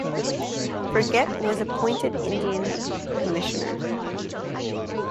Forget was appointed Indian commissioner.